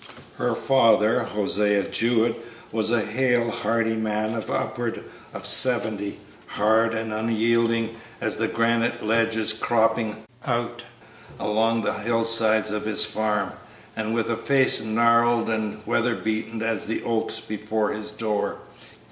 Her father, Hosea Jewett, was a hale, hearty man of upward of seventy, hard and unyielding as the granite ledges cropping out along the hill sides of his farm, and with a face gnarled and weather beaten as the oaks before his door.